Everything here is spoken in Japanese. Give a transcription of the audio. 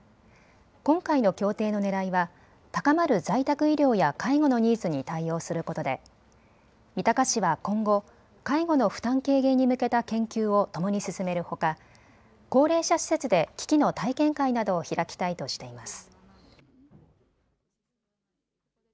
今回の協定のねらいは高まる在宅医療や介護のニーズに対応することで三鷹市は今後、介護の負担軽減に向けた研究をともに進めるほか高齢者施設で機器の体験会などを開きたいとしています。